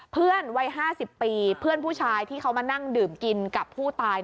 เพื่อนวัย๕๐ปีเพื่อนผู้ชายที่เขามานั่งดื่มกินกับผู้ตาย